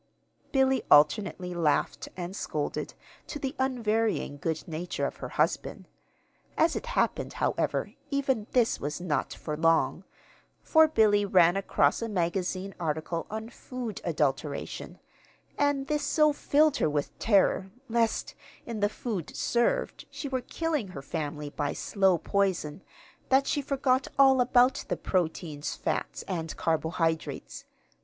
Billy alternately laughed and scolded, to the unvarying good nature of her husband. As it happened, however, even this was not for long, for Billy ran across a magazine article on food adulteration; and this so filled her with terror lest, in the food served, she were killing her family by slow poison, that she forgot all about the proteins, fats, and carbohydrates.